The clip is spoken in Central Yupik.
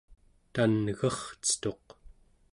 tan'gercetuq